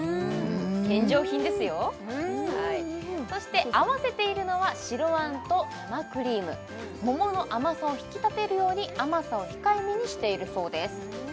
献上品ですよそして合わせているのは白あんと生クリーム桃の甘さを引き立てるように甘さを控えめにしているそうです